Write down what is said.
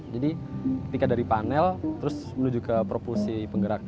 jadi ketika dari panel terus menuju ke propulsi penggerak